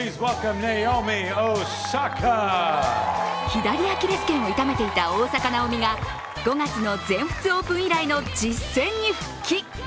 左アキレスけんを痛めていた大坂なおみが５月の全仏オープン以来の実戦に復帰。